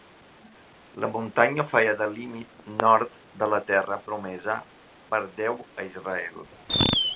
La muntanya feia de límit nord de la terra promesa per Déu a Israel.